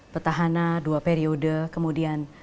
petahana dua periode kemudian